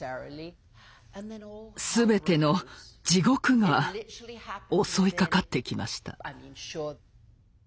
全ての地獄が襲いかかってきました。